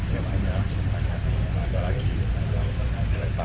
yang banyak yang ada lagi yang ada yang tidak